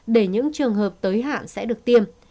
để những trường hợp tới hạn sẽ được tiêm